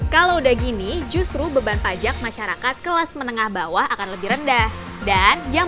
kalau udah gini justru beban pajak masyarakat kelas menengah bawah akan lebih rendah dan yang